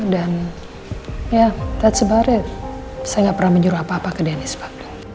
dan ya that's about it saya nggak pernah menyuruh apa apa ke dennis pak